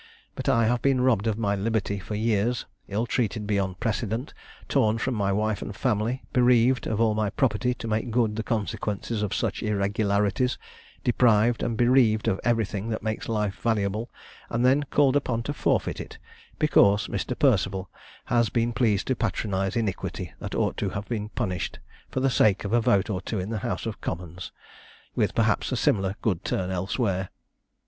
But I have been robbed of my liberty for years, ill treated beyond precedent, torn from my wife and family, bereaved of all my property to make good the consequences of such irregularities, deprived and bereaved of everything that makes life valuable, and then called upon to forfeit it, because Mr. Perceval has been pleased to patronize iniquity that ought to have been punished, for the sake of a vote or two in the House of Commons, with, perhaps, a similar good turn elsewhere.